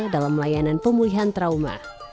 dalam layanan pemulihan trauma